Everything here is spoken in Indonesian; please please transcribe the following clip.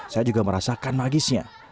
saya juga merasakan magisnya